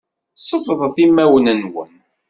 Sefḍet imawen-nwen.